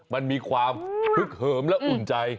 มันมีความฮึกเหิมและอุ่นใจ